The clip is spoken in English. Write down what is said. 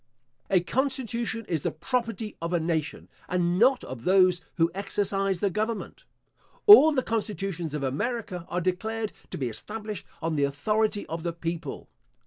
A constitution is the property of a nation, and not of those who exercise the government. All the constitutions of America are declared to be established on the authority of the people.